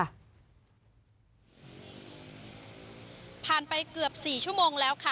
ผ่านไปเกือบ๔ชั่วโมงแล้วค่ะ